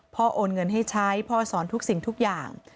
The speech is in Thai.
โอนเงินให้ใช้พ่อสอนทุกสิ่งทุกอย่าง